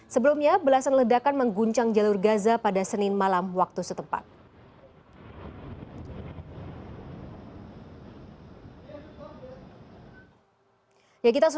sebelumnya belasan ledakan mengguncang jalur gaza pada senin malam waktu setempat